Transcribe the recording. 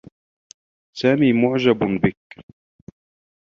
سامي معجب بك.